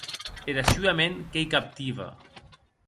Era sua ment qu'ei captiva.